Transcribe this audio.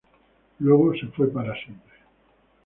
Luego se fue para siempre.